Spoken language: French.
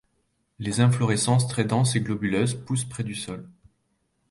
Les inflorescences très denses et globuleuses poussent près du sol.